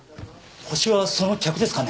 ホシはその客ですかね？